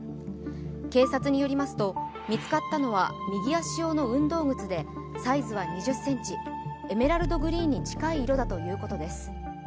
警察によりますと見つかったのは右足用の運動靴でサイズは２０ｃｍエメラルドグリーンに近い色だということです。